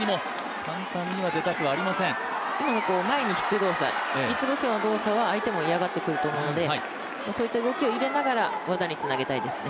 今の、前に引く動作は、相手も嫌がってくると思うのでそういった動きを入れながら技につなげたいですね。